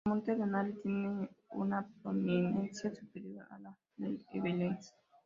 El monte Denali tiene una prominencia superior a la del Everest.